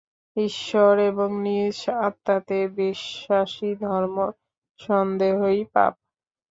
ঈশ্বর এবং নিজ আত্মাতে বিশ্বাসই ধর্ম, সন্দেহই পাপ।